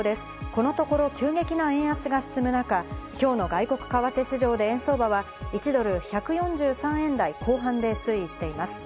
このところ急激な円安が進む中、今日の外国為替市場で円相場は、１ドル＝１４３円台後半で推移しています。